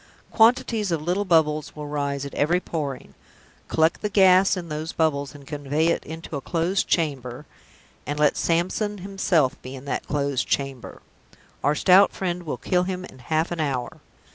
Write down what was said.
Quantities of little bubbles will rise at every pouring; collect the gas in those bubbles, and convey it into a closed chamber and let Samson himself be in that closed chamber; our stout Friend will kill him in half an hour!